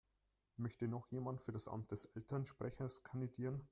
Möchte noch jemand für das Amt des Elternsprechers kandidieren?